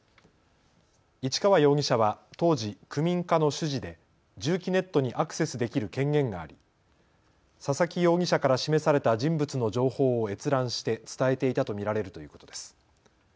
市川容疑者は当時、区民課の主事で住基ネットにアクセスできる権限があり佐々木容疑者から示された人物の情報を閲覧して伝えていたと見られるということです。